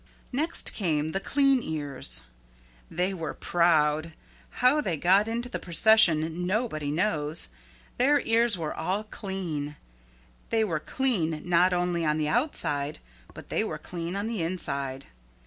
Next came the Clean Ears. They were proud. How they got into the procession nobody knows. Their ears were all clean. They were clean not only on the outside but they were clean on the inside.